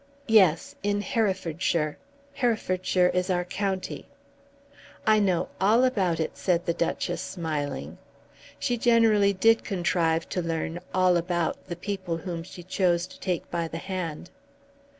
"Yes, in Herefordshire. Herefordshire is our county." "I know all about it," said the Duchess, smiling. She generally did contrive to learn "all about" the people whom she chose to take by the hand.